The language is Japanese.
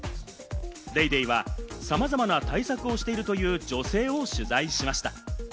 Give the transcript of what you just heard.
『ＤａｙＤａｙ．』はさまざまな対策をしているという女性を取材しました。